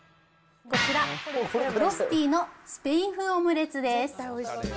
こちら、ロスティのスペイン風オムレツです。